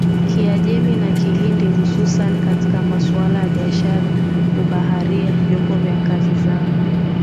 Kiajemi na Kihindi hususani katika masuala ya biashara ubaharia vyombo vya kazi zao